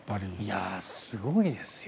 すごいですよ。